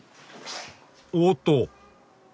おっと！